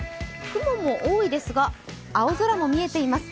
雲も多いですが、青空も見えています。